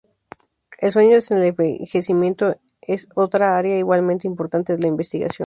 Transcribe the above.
El sueño en el envejecimiento es otra área igualmente importante de la investigación.